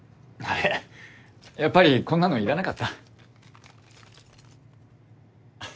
やっぱりこんなのいらなかった？